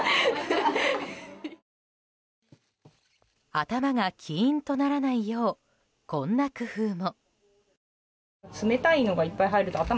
頭がキーンとならないようこんな工夫も。